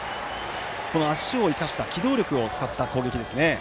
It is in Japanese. この足を生かした機動力を使った攻撃ですね。